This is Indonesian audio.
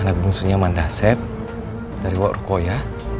anak bungsunya mandasep dari wak rukoya